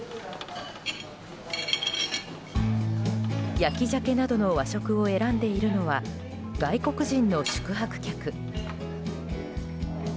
焼き鮭などの和食を選んでいるのは外国人の宿泊客。